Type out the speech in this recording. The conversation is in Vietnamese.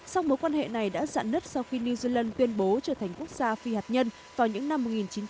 song mối quan hệ này đã dạn nứt sau khi new zealand tuyên bố trở thành quốc gia phi hạt nhân vào những năm một nghìn chín trăm bảy mươi